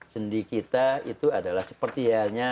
sendi kita itu adalah seperti halnya